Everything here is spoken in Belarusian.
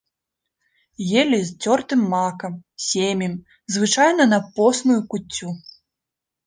Елі з цёртым макам, семем, звычайна на посную куццю.